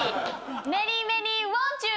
メニーメニーウォンチュー！